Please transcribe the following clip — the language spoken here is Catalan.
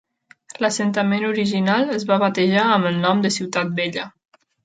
L'assentament original es va batejar amb el nom de Ciutat Vella.